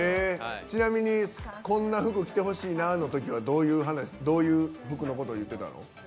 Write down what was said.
ちなみにこんな服着てほしいなみたいなときはどういう服のことを言ってたの？